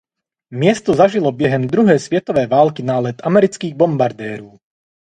Město zažilo během druhé světové války nálet amerických bombardérů.